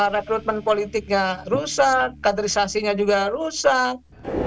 rekrutmen politiknya rusak kaderisasinya juga rusak